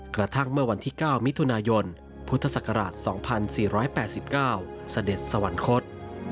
กระทั่งเมื่อวันที่๙มิถุนายนพุทธศักราช๒๔๘๙เสด็จสวรรคต